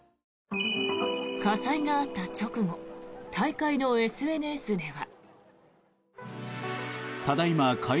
火災があった直後大会のＳＮＳでは。